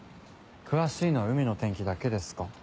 詳しいのは海の天気だけですか？